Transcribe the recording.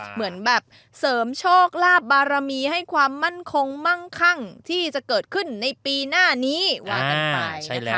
เหมือนแบบเสริมโชคลาภบารมีให้ความมั่นคงมั่งคั่งที่จะเกิดขึ้นในปีหน้านี้ว่ากันไปนะคะ